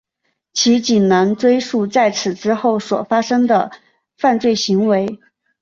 其仅能追诉在此之后所发生的犯罪行为。